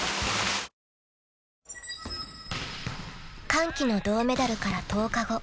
［歓喜の銅メダルから１０日後］